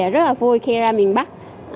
rất là vui khi ra miền bắc